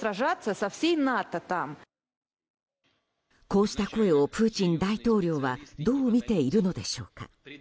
こうした声をプーチン大統領はどう見ているのでしょうか。